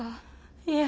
いえ。